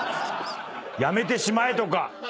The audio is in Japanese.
「辞めてしまえ」とか。